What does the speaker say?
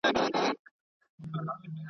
کاهښت هیڅ هم نه پاتېږي